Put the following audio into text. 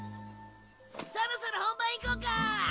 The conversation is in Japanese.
そろそろ本番いこうか。